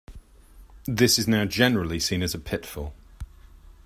This is now generally seen as a pitfall.